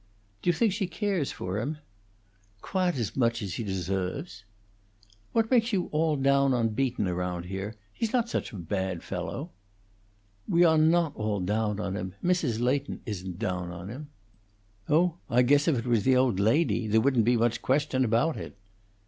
"Do you think she cares for him?" "Quahte as moch as he desoves." "What makes you all down on Beaton around here? He's not such a bad fellow." "We awe not all doan on him. Mrs. Leighton isn't doan on him." "Oh, I guess if it was the old lady, there wouldn't be much question about it."